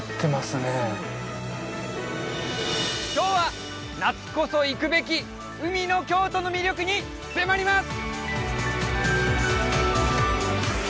今日は夏こそ行くべき海の京都の魅力に迫ります！